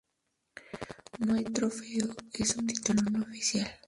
No hay trofeo, es un título no oficial.